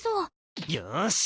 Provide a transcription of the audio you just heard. よし！